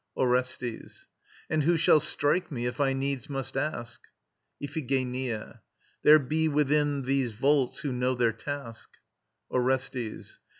ORESTES. And who shall strike me, if I needs must ask? IPHIGENIA. There be within these vaults who know their task. ORESTES.